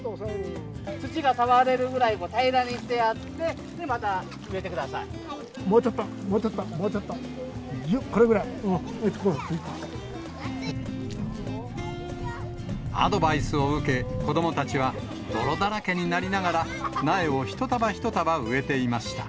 土が触れるぐらい平らにしてもうちょっと、もうちょっと、アドバイスを受け、子どもたちは泥だらけになりながら、苗を一束一束植えていました。